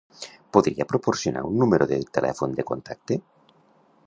Podria proporcionar un número de telèfon de contacte?